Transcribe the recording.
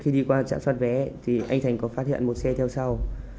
khi đi qua trạm xoát vé thì anh thành có phát hiện một xe theo sau